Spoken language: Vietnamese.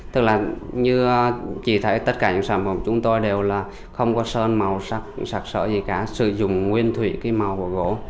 tức là như chị thấy tất cả những sản phẩm của chúng tôi đều là không có sơn màu sạc sở gì cả sử dụng nguyên thủy cái màu của gỗ